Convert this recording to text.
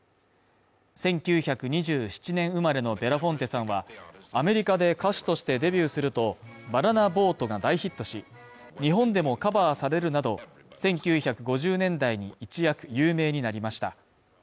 １９２７年生まれのベラフォンテさんはアメリカで歌手としてデビューすると、「バナナ・ボート」が大ヒットし、日本でもカバーされるなど、１９５０年代に一躍有名になりました。